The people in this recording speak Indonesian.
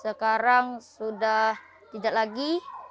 sekarang sudah tidak lagi